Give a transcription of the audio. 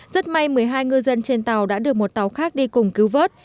rất may một mươi hai ngư dân trên tàu đã được một tàu khác đi cùng cứu vớt